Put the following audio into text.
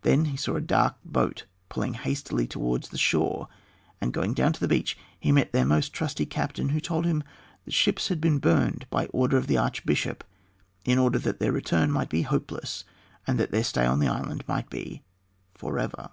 Then he saw a dark boat pulling hastily towards the shore, and going down to the beach he met their most trusty captain, who told him that the ships had been burnt by order of the archbishop, in order that their return might be hopeless, and that their stay on the island might be forever.